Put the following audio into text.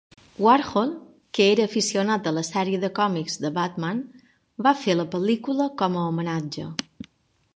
Warhol, que era aficionat a la sèrie de còmics de Batman, va fer la pel·lícula com a homenatge.